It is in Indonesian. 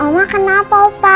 mama kenapa opa